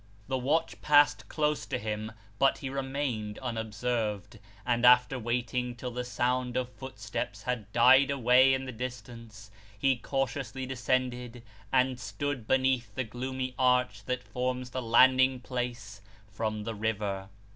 The watch passed close to him, but he remained unobserved ; and after waiting till the sound of footsteps had died away in the distance, he cautiously descended, and stood beneath the gloomy arch that forms the landing place from the river.